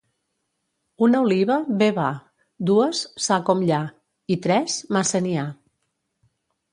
Una oliva bé va; dues, ça com lla, i tres, massa n'hi ha.